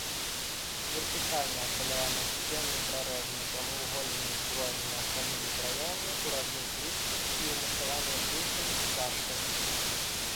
Вертыкальна ашаляваныя сцены прарэзаны прамавугольнымі здвоенымі аконнымі праёмамі ў разных ліштвах і ўмацаваны брусамі-сцяжкамі.